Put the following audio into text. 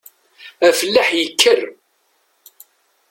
Afellaḥ yekker.